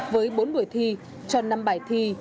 với bốn buổi thi tròn năm bài thi